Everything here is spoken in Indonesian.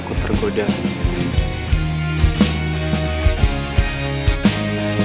nah setelah tergoda sama gue